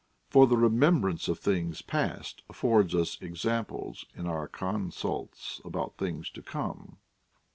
For the remem brance of things past affords us examples in our consults about things to come.